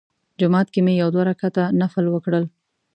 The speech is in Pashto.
جومات کې مې یو دوه رکعته نفل وکړل.